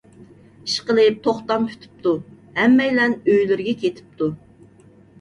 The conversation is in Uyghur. ئىشقىلىپ توختام پۈتۈپتۇ، ھەممەيلەن ئۆيلىرىگە كېتىپتۇ.